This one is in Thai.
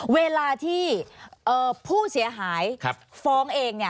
เวลาที่ผู้เสียหายฟ้องเอง